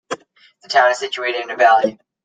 The town is situated in a valley.